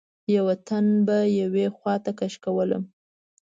یوه تن به یوې خواته کش کولم.